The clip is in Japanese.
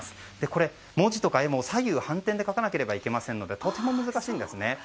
これ、文字や絵も左右反転で書かなければいけませんのでとても難しいんですね。